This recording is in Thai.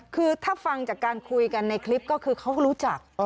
คือถ้าฟังจากการคุยกันในคลิปก็คือเขาก็รู้จัก